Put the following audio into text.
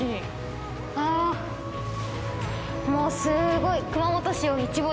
もうすごい。